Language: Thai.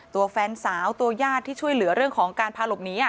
ตัวแฟนสาวตัวญาติที่ช่วยเหลือเรื่องของการพาหลบหนี